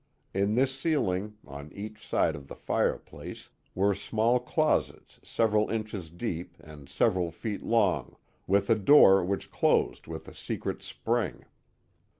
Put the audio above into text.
In thisceiling» on each side of the fireplace, were small closets several inches deep and several feet long with a door which closed with a secret spring.